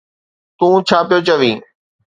تون ڇا پيو چوين؟